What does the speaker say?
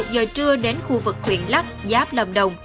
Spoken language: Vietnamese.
một mươi một giờ trưa đến khu vực huyện lắp giáp lầm đồng